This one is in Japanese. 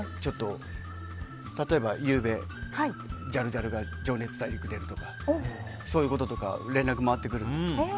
例えばゆうべ、ジャルジャルが「情熱大陸」に出るとかそういうこととか連絡回ってくるんです。